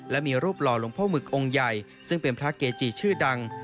และมีรูปหล่อโรงโมคท์โหมึกองค์ใหญ่ซึ่งเป็นพระเกตุจีนชื่อดัง